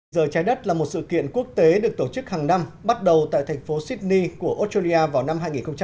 giờ trái đất là một sự kiện quốc tế được tổ chức hàng năm bắt đầu tại thành phố sydney của australia vào năm hai nghìn bảy